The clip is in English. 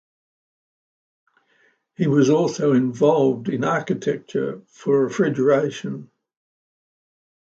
He was also involved in architecture for refrigeration.